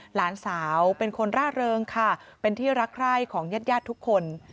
หลานสาวเป็นคนร่าเริงค่ะเป็นที่รักใคร่ของญาติญาติทุกคน